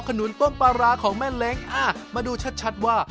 ขนุนต้มปลาร้าของแม่เล้งมาดูชัดว่า